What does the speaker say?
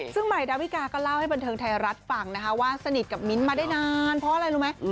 ซึ่งใหม่ดาวิกาก็เล่าให้บันเทิงไทยรัฐฟังนะคะว่าสนิทกับมิ้นท์มาได้นานเพราะอะไรรู้ไหม